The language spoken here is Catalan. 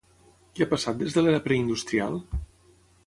Què ha passat des de l'era preindustrial?